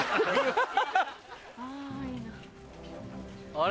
あれ？